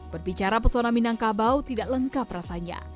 berbicara pesona minangkabau tidak lengkap rasanya